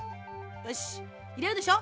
よしっいれるでしょ。